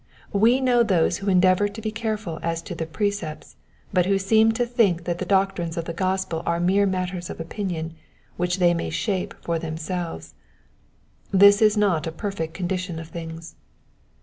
We know those who endeavour to be careful as to the precepts, but who seem to think that the doctrines of the gospel arc mere matters of opinion, which they may shape for them selves. This is not a perfect condition of things.